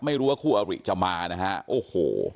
ไม่รู้ว่าคู่อริจะมานะฮะโอ้โห